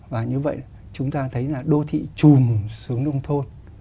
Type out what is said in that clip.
và như vậy chúng ta thấy là đô thị trùm xuống nông thôn